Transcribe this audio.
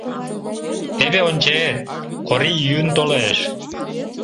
Теве ончет — Кори йӱын толеш.